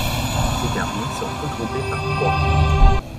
Ces derniers sont regroupés par trois.